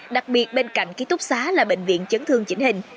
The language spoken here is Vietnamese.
đặc biệt bên cạnh ký túc xá là bệnh viện chấn thương chỉnh hình